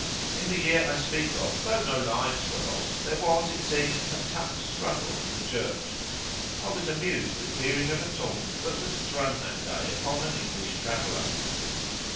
In the year I speak of, though no lives were lost, there was, as it seems, a tough struggle in the church. I was amused at hearing of a taunt that was thrown that day upon an English traveller.